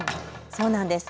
そうなんです。